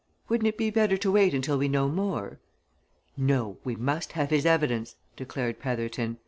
Wouldn't it be better to wait until we know more?" "No we must have his evidence," declared Petherton.